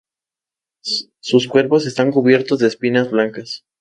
Sus cuerpos están cubiertos de espinas blancas.